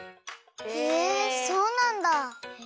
へえそうなんだ。